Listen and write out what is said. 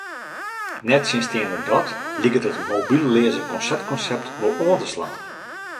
Nettsjinsteande dat liket it mobylleaze konsert-konsept wol oan te slaan.